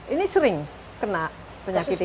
ini sering kena penyakit ini